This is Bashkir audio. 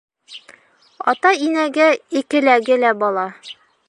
Ата-инәгә икеләге лә бала